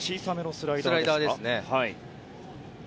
スライダーですね。